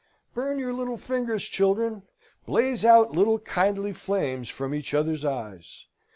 Burn your little fingers, children! Blaze out little kindly flames from each other's eyes!